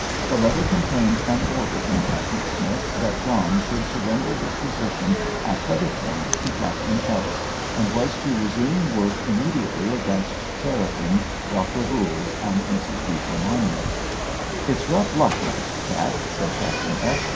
The letter contained an order from Dacent Smith that John should surrender his position at Heatherpoint to Captain X., and was to resume work immediately against Cherriton, Dr. Voules, and Mrs. Beecher Monmouth. "It's rough luck, old chap," said Captain X.